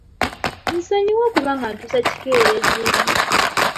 Nsonyiwa okuba nga ntuuse kikeerezi.